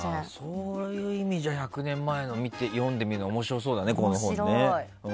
そういう意味じゃ１００年前の読んでみるの面白そうだね。